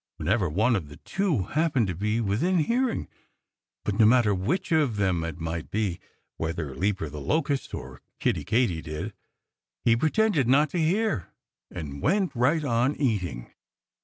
whenever one of the two happened to be within hearing. But no matter which of them it might be whether Leaper the Locust or Kiddie Katydid he pretended not to hear, and went right on eating.